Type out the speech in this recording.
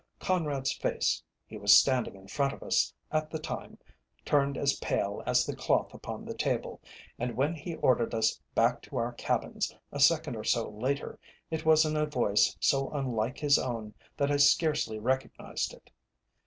Conrad's face he was standing in front of us at the time turned as pale as the cloth upon the table, and when he ordered us back to our cabins, a second or so later, it was in a voice so unlike his own that I scarcely recognised it.